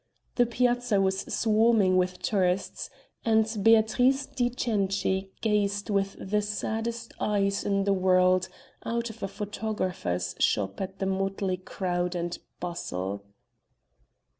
The Piazza was swarming with tourists, and Beatrice di Cenci gazed with the saddest eyes in the world out of a photographer's shop at the motley crowd and bustle.